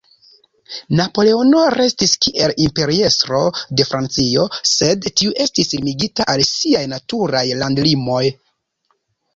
Napoleono restis kiel Imperiestro de Francio, sed tiu estis limigita al siaj "naturaj landlimoj".